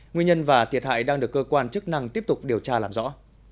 nguyên nhân và thiệt hại đang được cơ quan chức năng tiếp tục điều tra làm rõ